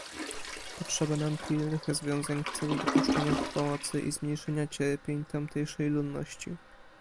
Potrzeba nam pilnych rozwiązań w celu dopuszczenia pomocy i zmniejszenia cierpień tamtejszej ludności